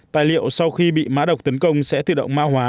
tài liệu sau khi bị mã độc tấn công sẽ thuyệt động ma hóa